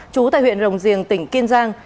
chú tại huyện rồng riềng tỉnh kiên giang